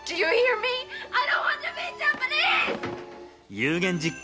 有言実行。